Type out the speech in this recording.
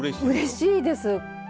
うれしいです。